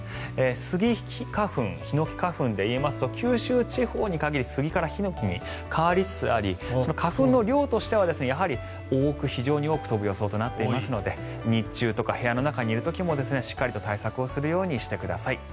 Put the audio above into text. スギ花粉ヒノキ花粉で言いますと九州地方に限り杉からヒノキに変わりつつありその花粉の量としては非常に多く飛ぶ予想となっていますので日中とか部屋の中にいる時もしっかり対策をするようにしてください。